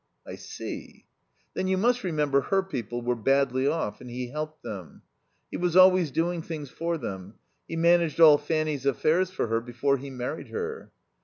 "I see." "Then you must remember her people were badly off and he helped them. He was always doing things for them. He managed all Fanny's affairs for her before he married her."